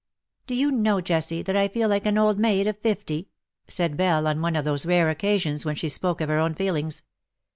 '^ Do you know, Jessie, that I feel like an old maid of fifty ?^^ said Belle on one of those rare occasions when she spoke of her own feelings.